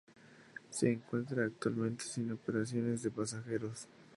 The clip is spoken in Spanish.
Se encuentra actualmente sin operaciones de pasajeros.